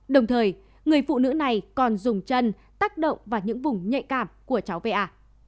đồng thời người phụ nữ này còn dùng chân tác động vào những vùng nhạy cảm của cháu va